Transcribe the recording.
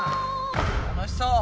楽しそう！